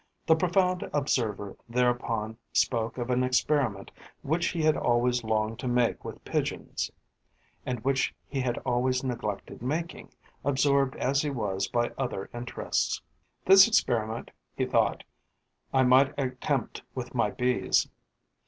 The profound observer thereupon spoke of an experiment which he had always longed to make with Pigeons and which he had always neglected making, absorbed as he was by other interests. This experiment, he thought, I might attempt with my Bees.